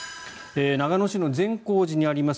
長野市の善光寺にあります